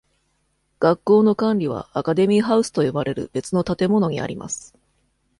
学校の管理はアカデミーハウスと呼ばれる別の建物にあります。